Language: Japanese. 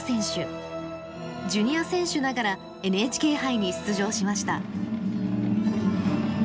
ジュニア選手ながらＮＨＫ杯に出場しました。